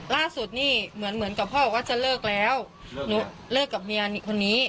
ล่าสุดนี่เหมือนเหมือนกับพ่อบอกว่าจะเลิกแล้วหนูเลิกกับเมียคนนี้